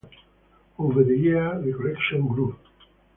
Over the years, the collection grew.